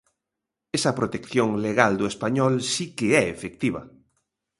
Esa protección legal do español si que é efectiva.